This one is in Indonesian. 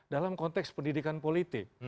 dalam konteks pendidikan politik